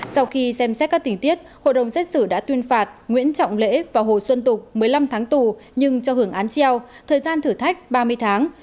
sau khi xem xét các tình tiết hội đồng xét xử đã tuyên phạt nguyễn trọng lễ và hồ xuân tục một mươi năm tháng tù nhưng cho hưởng án treo thời gian thử thách ba mươi tháng